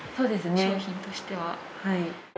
商品としては。